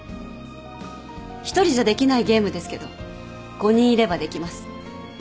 １人じゃできないゲームですけど５人いればできます。